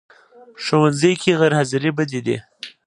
ښوونځی کې غیر حاضرې بدې دي